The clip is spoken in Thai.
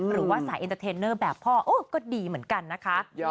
หรือว่าสายแบบพ่อก็ดีเหมือนกันนะค่ะ